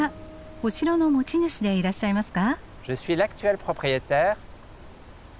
お城の持ち主でいらっしゃいますか？